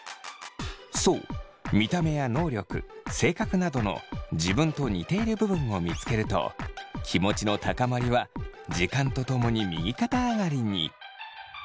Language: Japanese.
そう見た目や能力性格などの自分と似ている部分を見つけると気持ちの高まりは時間とともに右肩上がりに。